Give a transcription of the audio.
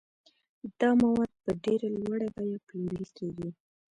دا مواد په ډېره لوړه بیه پلورل کیږي.